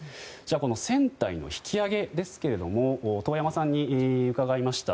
この船体の引き揚げですけれど遠山さんに伺いました。